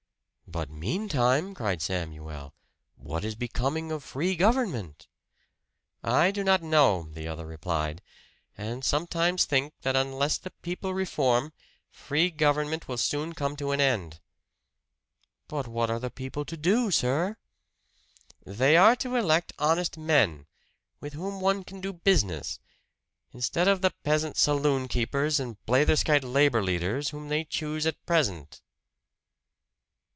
"But meantime," cried Samuel, "what is becoming of free government?" "I do not know," the other replied. "I sometimes think that unless the people reform, free government will soon come to an end." "But what are the people to do, sir?" "They are to elect honest men, with whom one can do business instead of the peasant saloon keepers and blatherskite labor leaders whom they choose at present."